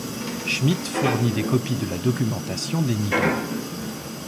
Schmidt fournit des copies de la documentation d'Enigma.